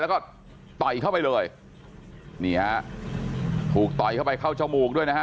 แล้วก็ต่อยเข้าไปเลยนี่ฮะถูกต่อยเข้าไปเข้าจมูกด้วยนะฮะ